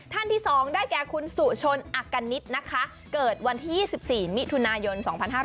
ท่านที่๒ได้แก่คุณสุชนอักกณิตนะคะเกิดวันที่๒๔มิถุนายน๒๕๕๙